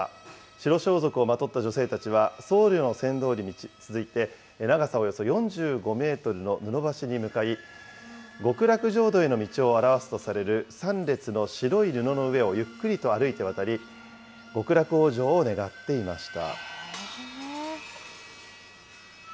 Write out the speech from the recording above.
白装束をまとった女性たちは僧侶の先導に続いて、長さおよそ４５メートルの布橋に向かい、極楽浄土への道を表すとされる３列の白い布の上をゆっくりと歩いて渡り、極楽往生を願っていました。